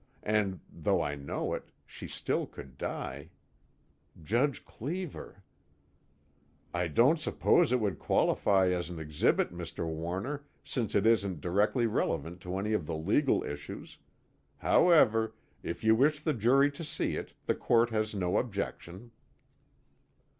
And though I know it, she still could die. Judge Cleever_ "I don't suppose it would qualify as an exhibit, Mr. Warner, since it isn't directly relevant to any of the legal issues. However, if you wish the jury to see it, the Court has no objection."